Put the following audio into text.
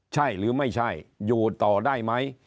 ใช่หรือไม่ใช่อยู่ต่อได้ไหม